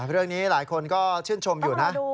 เรื่องนี้หลายคนก็ชื่นชมอยู่นะ